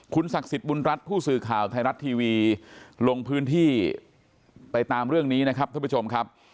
ศักดิ์สิทธิ์บุญรัฐผู้สื่อข่าวไทยรัฐทีวีลงพื้นที่ไปตามเรื่องนี้นะครับท่านผู้ชมครับ